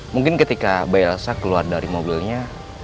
mungkin ketika bay elsa keluar dari mobilnya